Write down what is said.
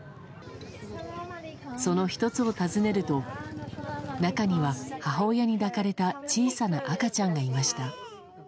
その一つを訪ねると、中には母親に抱かれた小さな赤ちゃんがいました。